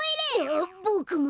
あっボクも。